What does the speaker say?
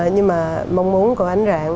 nhưng mà mong muốn của ảnh dạng